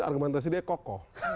argumentasi dia kokoh